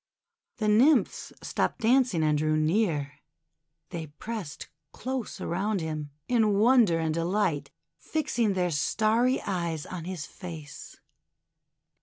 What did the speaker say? The Nymphs stopped dancing and drew near. They pressed close around him, in wonder and de light, fixing their starry eyes on his face.